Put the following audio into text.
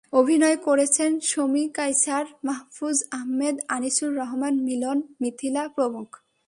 অভিনয় করেছেন শমী কায়সার, মাহফুজ আহমেদ, আনিসুর রহমান মিলন, মিথিলা প্রমুখ।